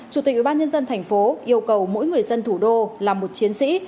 chủ tịch ubnd tp yêu cầu mỗi người dân thủ đô là một chiến sĩ